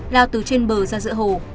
lao từ trên bờ ra giữa hồ